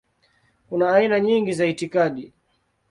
Kuna aina nyingi za itikadi.